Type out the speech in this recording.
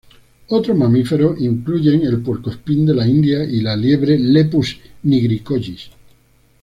Otros mamíferos incluyen el puercoespín de la India y la liebre "Lepus nigricollis".